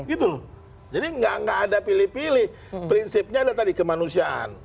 gitu loh jadi nggak ada pilih pilih prinsipnya ada tadi kemanusiaan